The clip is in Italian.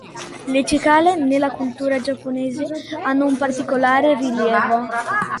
Le cicale nella cultura giapponese hanno un particolare rilievo.